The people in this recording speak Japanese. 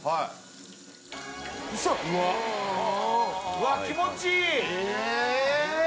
うわっ気持ちいい！